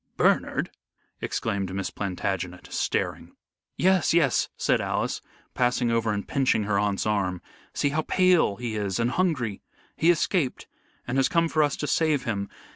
"Bernard!" exclaimed Miss Plantagenet, staring. "Yes, yes!" said Alice, passing over and pinching her aunt's arm. "See how pale he is and hungry. He escaped, and has come for us to save him.